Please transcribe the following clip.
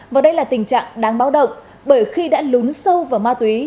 và đây là tình trạng đáng báo động bởi khi đã lún sâu vào ma túy